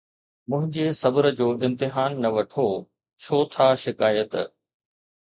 منهنجي صبر جو امتحان نه وٺو، ڇو ٿا شڪايت؟